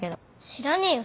知らねえよ